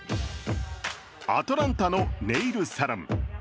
アトランタのネイルサロン。